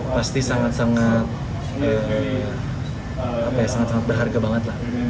pasti sangat sangat berharga banget lah